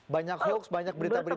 banyak hoax banyak berita berita